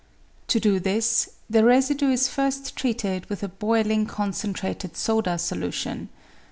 To do this, the residue is first treated with a boiling concentrated soda solution.